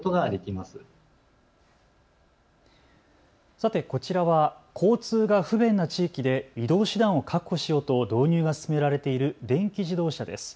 さてこちらは交通が不便な地域で移動手段を確保しようと導入が進められている電気自動車です。